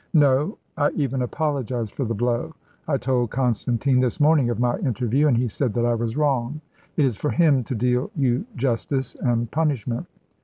"No; I even apologise for the blow. I told Constantine this morning of my interview, and he said that I was wrong. It is for him to deal you justice and punishment."